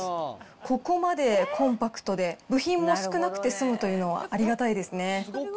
ここまでコンパクトで、部品も少なくて済むというのはありがたいですね。